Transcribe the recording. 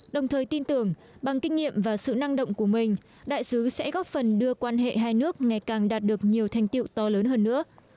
đồng thời tin tưởng bằng kinh nghiệm và sự năng động của mình đại sứ sẽ góp phần đưa quan hệ hai nước ngày càng đạt được nhiều thành tiệu to lớn hơn nữa